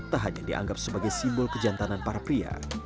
tak hanya dianggap sebagai simbol kejantanan para pria